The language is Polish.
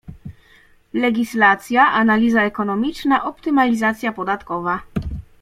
Legislacja, analiza ekonomiczna, optymalizacja podatkowa.